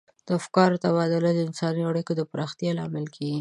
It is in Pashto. د افکارو تبادله د انساني اړیکو د پراختیا لامل کیږي.